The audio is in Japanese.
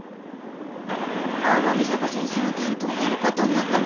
青葉美砂子先生の担当やることになったの。